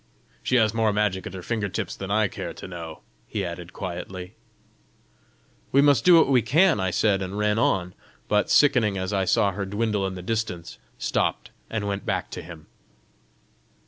"She has more magic at her finger tips than I care to know!" he added quietly. "We must do what we can!" I said, and ran on, but sickening as I saw her dwindle in the distance, stopped, and went back to him.